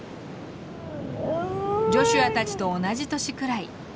ジョシュアたちと同じ年くらい。